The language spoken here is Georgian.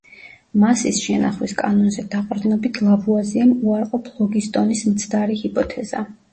მასის შენახვის კანონზე დაყრდნობით ლავუაზიემ უარყო ფლოგისტონის მცდარი ჰიპოთეზა.